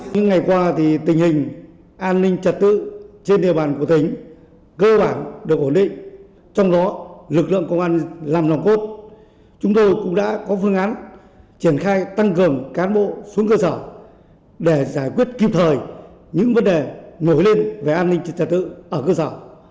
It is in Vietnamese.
những ngày qua tình hình an ninh trật tự trên địa bàn của tỉnh cơ bản được ổn định trong đó lực lượng công an làm nòng cốt chúng tôi cũng đã có phương án triển khai tăng cường cán bộ xuống cơ sở để giải quyết kịp thời những vấn đề nổi lên về an ninh trật tự ở cơ sở